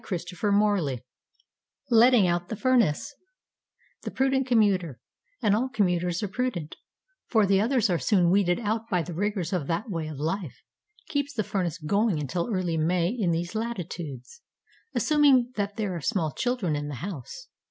LETTING OUT THE FURNACE The prudent commuter (and all commuters are prudent, for the others are soon weeded out by the rigours of that way of life) keeps the furnace going until early May in these latitudes assuming that there are small children in the house.